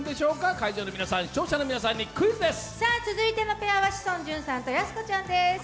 会場の皆さん、視聴者の皆さんにクイズです。